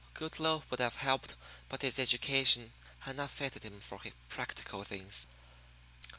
Goodloe would have helped, but his education had not fitted him for practical things.